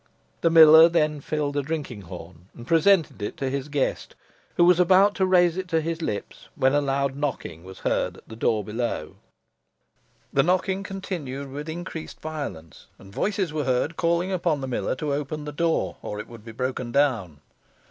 The miller then filled a drinking horn, and presented it to his guest, who was about to raise it to his lips, when a loud knocking was heard at the door below. The knocking continued with increased violence, and voices were heard calling upon the miller to open the door, or it would be broken down.